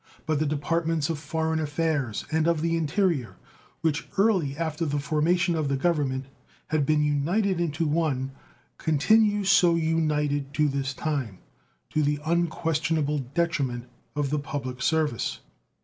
But the Departments of Foreign Affairs and of the Interior, which early after the formation of the Government had been united in one, continue so united to this time, to the unquestionable detriment of the public service.